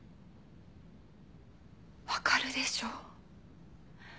分かるでしょ？